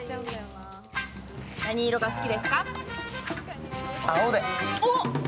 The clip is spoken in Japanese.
何色が好きですか？